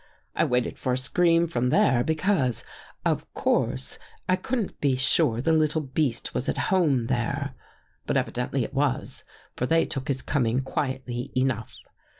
" I waited for a scream from there, because, of i6i THE GHOST GIRL course I couldn't be sure the little beast was at home there. But evidently it was, for they took his coming quietly enough.